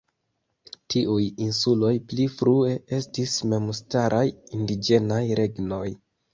Tiuj insuloj pli frue estis memstaraj indiĝenaj regnoj.